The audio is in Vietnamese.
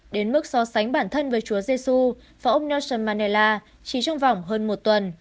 đến mức so sánh bản thân với chúa giê xu và ông nelson mandela chỉ trong vòng hơn một tuần